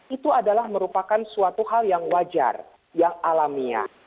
itu adalah merupakan suatu hal yang wajar yang alamiah